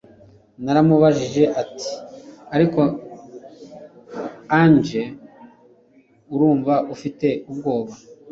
naramubajije ati ariko Angel urumva ufite ubwoba